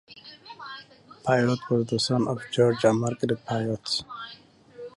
Pyott was the son of George and Margaret Pyott.